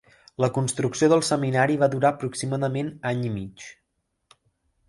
La construcció del seminari va durar aproximadament any i mig.